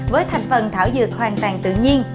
với thành phần thảo dược hoàn toàn tự nhiên